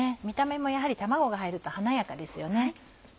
見た目もやはり卵が入ると華やかですよね。